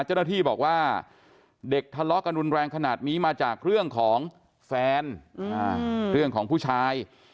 เจ้าหน้าที่บอกว่าเด็กทะเลาะกันรุนแรงขนาดนี้มาจากเรื่องของแฟนเรื่องของผู้ชาย